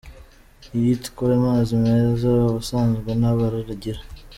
Icyitwa amazi meza ubusanzwe nta bara agira.